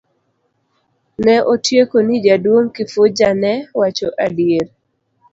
Ne otieko ni jaduong' Kifuja ne wacho adier.